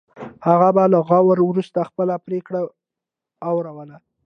هغه به له غور وروسته خپله پرېکړه اوروله.